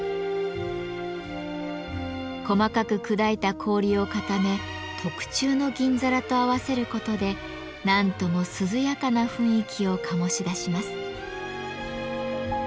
細かく砕いた氷を固め特注の銀皿と合わせることで何とも涼やかな雰囲気を醸し出します。